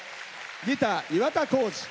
ギター、岩田光司。